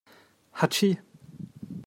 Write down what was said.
Hatschi!